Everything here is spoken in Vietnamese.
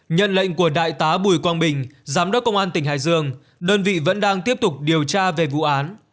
nhận lệnh của đại tá bùi quang bình giám đốc công an tỉnh hải dương đơn vị vẫn đang tiếp tục điều tra về vụ án